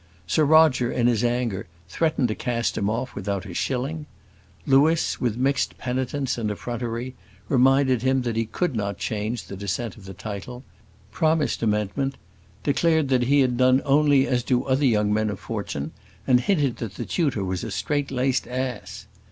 Sir Roger, in his anger, threatened to cast him off without a shilling. Louis, with mixed penitence and effrontery, reminded him that he could not change the descent of the title; promised amendment; declared that he had done only as do other young men of fortune; and hinted that the tutor was a strait laced ass.